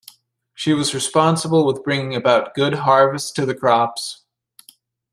She was responsible with bringing about good harvest to the crops.